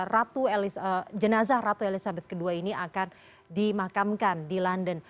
ratu jenazah ratu elizabeth ii ini akan dimakamkan di london